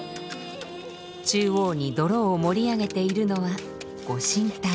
中央に泥を盛り上げているのは御神体。